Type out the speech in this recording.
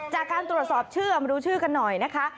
จากการตรวจสอบชื่อมาดูชื่อกันหน่อยนะคะ